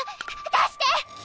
出して！